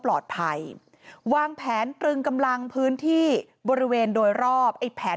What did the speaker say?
ปลอดภัยวางแผนตรึงกำลังพื้นที่บริเวณโดยรอบไอ้แผน